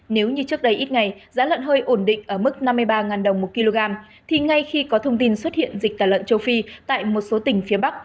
nếu như trước đây ít ngày giá lợn hơi ổn định ở mức năm mươi ba đồng một kg thì ngay khi có thông tin xuất hiện dịch tả lợn châu phi tại một số tỉnh phía bắc